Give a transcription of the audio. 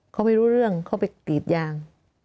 เขาไม่รู้เรื่องเขาไปกรีดยาง